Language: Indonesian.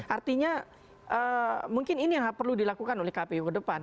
artinya mungkin ini yang perlu dilakukan oleh kpu ke depan